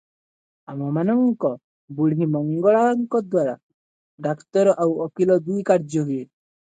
ଆମମାନଙ୍କ ବୁଢ଼ୀମଙ୍ଗଳାଙ୍କ ଦ୍ୱାରା ଡାକ୍ତର ଆଉ ଓକିଲ ଦୁଇ କାର୍ଯ୍ୟ ହୁଏ ।